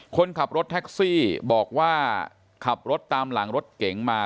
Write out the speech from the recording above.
คนขับรถแท็กซี่บอกว่าขับรถตามหลังรถเก๋งมา